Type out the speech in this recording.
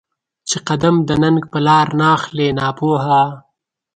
چې قـــــدم د ننــــــــګ په لار ناخلې ناپوهه